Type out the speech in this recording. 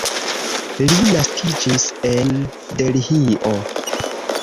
Li naskiĝis en Delhio.